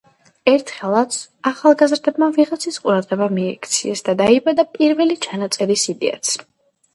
ერთხელაც, ახალგაზრდებმა ვიღაცის ყურადღება მიიქციეს და დაიბადა პირველი ჩანაწერის იდეაც.